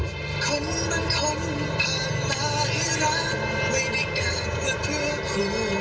คือ